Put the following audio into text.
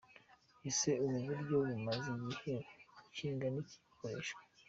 Ese ubu buryo bumaze igihe kingana iki bukoreshwa?.